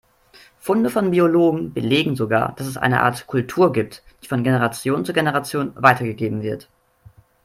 Funde von Biologen belegen sogar, dass es eine Art Kultur gibt, die von Generation zu Generation weitergegeben wird.